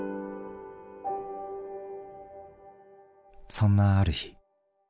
そんなある日。